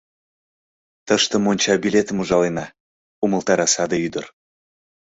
Тыште монча билетым ужалена, — умылтара саде ӱдыр.